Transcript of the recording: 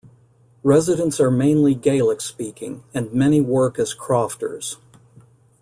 Residents are mainly Gaelic speaking, and many work as crofters.